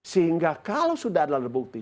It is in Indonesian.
sehingga kalau sudah ada bukti